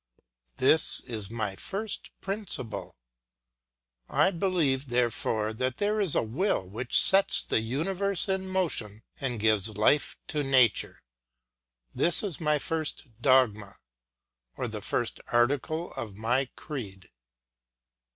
This is my first principle. I believe, therefore, that there is a will which sets the universe in motion and gives life to nature. This is my first dogma, or the first article of my creed.